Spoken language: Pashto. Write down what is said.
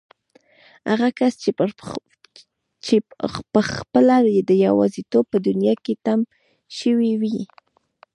هغه کس چې پخپله د يوازيتوب په دنيا کې تم شوی وي.